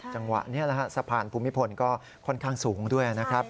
จังหวะนี้สะพานภูมิพลก็ค่อนข้างสูงด้วยนะครับ